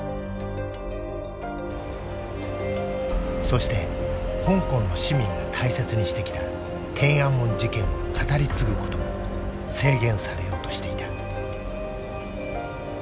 そして香港の市民が大切にしてきた天安門事件を語り継ぐことも制限されようとしていた。